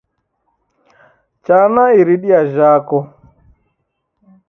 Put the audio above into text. Chana iridia jhako